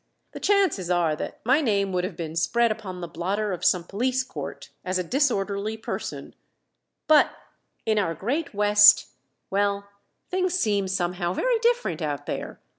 The chances are that my name would have been spread upon the blotter of some police court as a disorderly person; but in our great West well, things seem somehow very different out there.